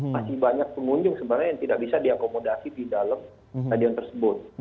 masih banyak pengunjung sebenarnya yang tidak bisa diakomodasi di dalam stadion tersebut